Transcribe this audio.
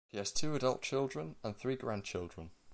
He has two adult children and three grandchildren.